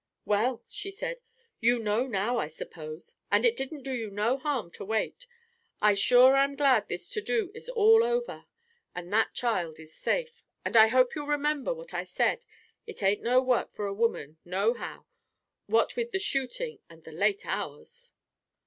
"Well," she said, "you know now, I suppose. And it didn't do you no harm to wait. I sure am glad this to do is all over, and that child is safe. And I hope you'll remember what I said. It ain't no work for a woman, no how, what with the shooting and the late hours."